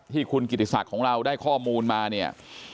ที่คุณกิติศักดิ์ของเราได้ข้อมูลมาเนี่ย